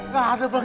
gak ada bang